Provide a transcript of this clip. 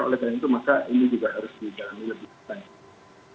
oleh karena itu maka ini juga harus dijalani lebih lanjut